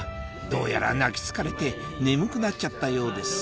どうやら泣き疲れて眠くなっちゃったようです